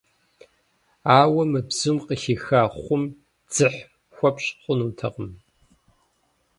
Ауэ мы бзум къыхиха хъум дзыхь хуэпщӀ хъунутэкъым.